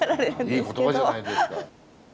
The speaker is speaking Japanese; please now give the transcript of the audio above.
いい言葉じゃないですか。